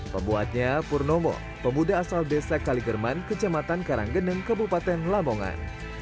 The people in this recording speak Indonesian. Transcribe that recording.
pembuatnya purnomo pemuda asal desa kaligerman kecamatan karanggeneng kabupaten lamongan